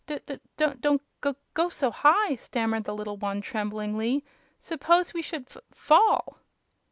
"D d don't g g go so high!" stammered the little one, tremblingly; "suppose we should f f fall!"